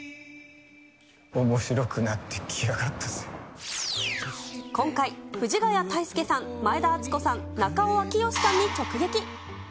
おもしろくなってきやがった今回、藤ヶ谷太輔さん、前田敦子さん、中尾明慶さんに直撃。